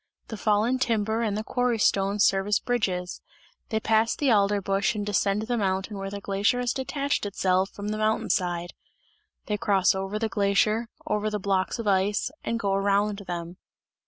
The fallen timber and the quarry stones serve as bridges; they pass the alder bush and descend the mountain where the glacier has detached itself from the mountain side; they cross over the glacier, over the blocks of ice, and go around them.